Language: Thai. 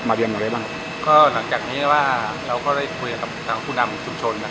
มาเรียนอะไรบ้างหลังจากนี้เราได้คุยกับะหราคู่นำจุบชน